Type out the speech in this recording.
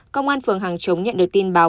công an phường hàng chống nhận được tin báo